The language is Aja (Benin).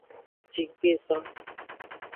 Jigbezan.